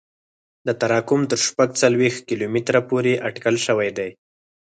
دا تراکم تر شپږ څلوېښت کیلومتره پورې اټکل شوی دی